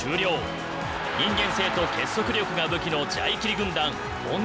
人間性と結束力が武器のジャイキリ軍団ホンダＦＣに。